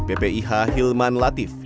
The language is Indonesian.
ppih hilman latif